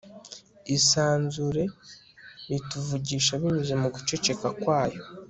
isanzure rituvugisha binyuze mu guceceka kwayo